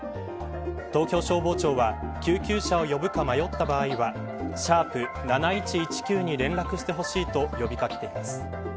東京消防庁は救急車を呼ぶか迷った場合は♯７１１９に連絡してほしいと呼び掛けています。